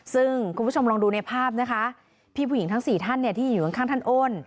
ซึ่งคุณผู้ชมลองดูในภาพนะคะพี่ผู้หญิงทั้ง๔ท่านที่อยู่ข้างท่านโอน